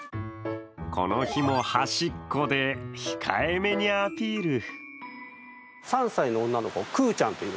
この日も、端っこで控えめにアピール。